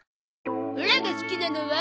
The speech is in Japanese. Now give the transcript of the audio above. オラが好きなのは。